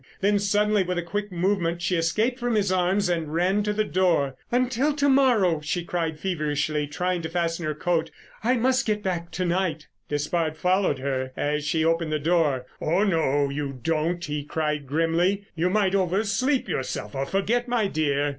Then suddenly with a quick movement she escaped from his arms and ran to the door. "Until to morrow," she cried feverishly, trying to fasten her coat. "I must get back to night——" Despard followed her as she opened the door. "Oh, no, you don't," he cried grimly. "You might oversleep yourself or forget, my dear."